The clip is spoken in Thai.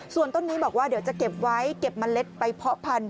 ส่วนต้นนี้บอกว่าเดี๋ยวจะเก็บไว้เก็บเมล็ดไปเพาะพันธุ